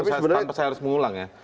saya harus mengulang ya